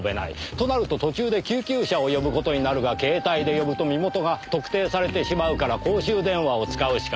となると途中で救急車を呼ぶ事になるが携帯で呼ぶと身元が特定されてしまうから公衆電話を使うしかない。